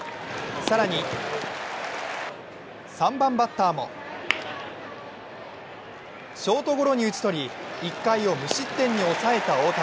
更に３番バッターもショートゴロに打ち取り１回を無失点に抑えた大谷。